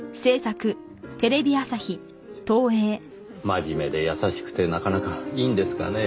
真面目で優しくてなかなかいいんですがねぇ。